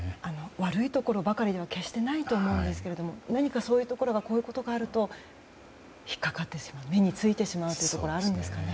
悪いところばかりでは決して、ないとは思うんですが何かそういうところがこういうことがあると引っかかってしまう目についてしまうことがあるんですかね。